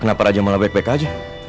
kenapa raja malah baik baik aja